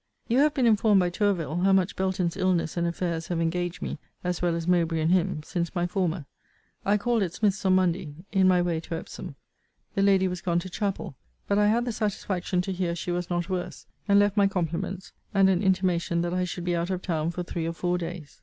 You have been informed by Tourville, how much Belton's illness and affairs have engaged me, as well as Mowbray and him, since my former. I called at Smith's on Monday, in my way to Epsom. The lady was gone to chapel: but I had the satisfaction to hear she was not worse; and left my compliments, and an intimation that I should be out of town for three or four days.